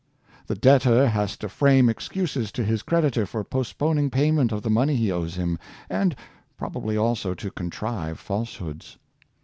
The debtor has to frame excuses to his creditor for postponing pay ment of the money he owes him, and probably also to contrive falsehoods.